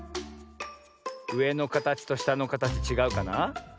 うえのかたちとしたのかたちちがうかな。